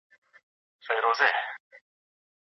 آنلاین ویډیوګانې نوې نظریې زیږوي.